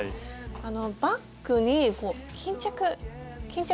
バッグに巾着巾着。